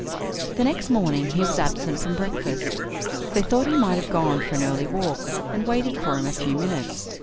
The next morning he was absent from breakfast. They thought he might have gone for an early walk, and waited for him a few minutes.